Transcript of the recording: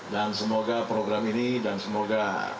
dan semoga program ini dan semoga